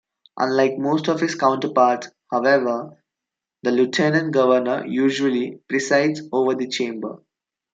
Unlike most of his counterparts, however, the lieutenant governor usually presides over the chamber.